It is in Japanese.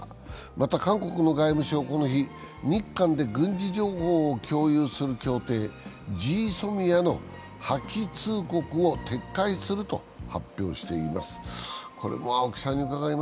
また、韓国の外務省はこの日日韓で軍事情報を共有する協定、ＧＳＯＭＩＡの破棄通告を撤回すると発表しています。